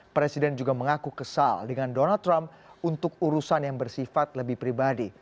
presiden juga mengaku kesal dengan donald trump untuk urusan yang bersifat lebih pribadi